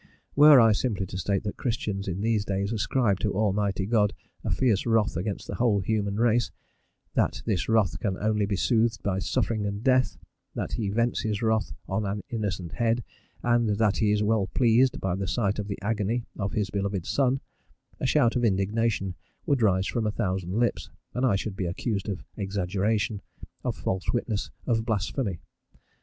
Were I simply to state that Christians in these days ascribe to Almighty God a fierce wrath against the whole human race, that this wrath can only be soothed by suffering and death, that he vents this wrath on an innocent head, and that he is well pleased by the sight of the agony of his beloved Son, a shout of indignation would rise from a thousand lips, and I should be accused of exaggeration, of false witness, of blasphemy.